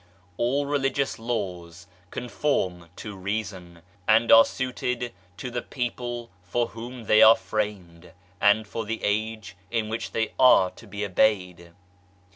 All Religious Laws conform to Reason, and are suited to the people for whom they are framed, and for the age in which they are to be obeyed.